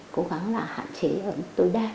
cố gắng là hạn chế ở tối đa